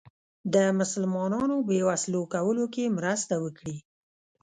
د مسلمانانو بې وسلو کولو کې مرسته وکړي.